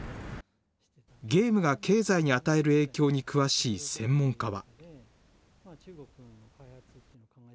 ゲームが経済に与える影響に詳しい専門家は。